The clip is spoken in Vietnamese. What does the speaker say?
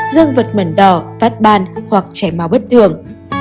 dương vật mẩn đỏ phát ban hoặc chảy máu bất thường